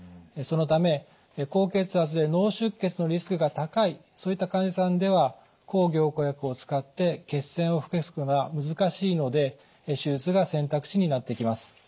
そのため高血圧で脳出血のリスクが高いそういった患者さんでは抗凝固薬を使って血栓を防ぐのが難しいので手術が選択肢になってきます。